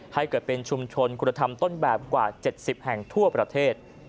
ให้เกิดเป็นชุมชนคุณธรรมต้นแบบกว่า๗๐แห่งทั่วประเทศ